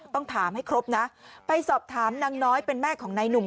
ต้องถามให้ครบนะไปสอบถามนางน้อยเป็นแม่ของนายหนุ่ม